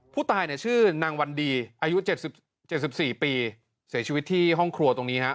ผู้ตายเนี่ยชื่อนางวันดีอายุ๗๔ปีเสียชีวิตที่ห้องครัวตรงนี้ฮะ